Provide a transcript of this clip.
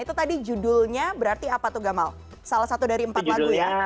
itu tadi judulnya berarti apa tuh gamal salah satu dari empat lagu ya